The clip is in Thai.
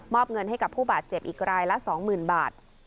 อบเงินให้กับผู้บาดเจ็บอีกรายละ๒๐๐๐บาท